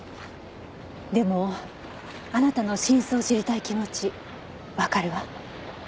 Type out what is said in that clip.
でもあなたの真相を知りたい気持ちわかるわ。